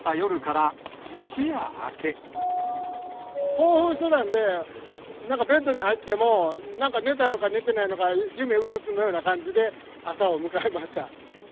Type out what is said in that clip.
興奮してたんで、なんかベッドに入っても、なんか寝たのか寝てないのか夢うつつのような感じで、朝を迎えました。